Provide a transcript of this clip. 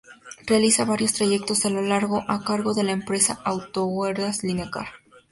Realiza varios trayectos a lo largo del día, a cargo de la empresa AutoHerguerdas-Linecar.